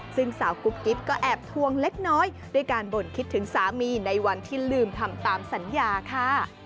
ซึ่งสาวกุ๊บกิ๊บก็แอบทวงเล็กน้อยด้วยการบ่นคิดถึงสามีในวันที่ลืมทำตามสัญญาค่ะ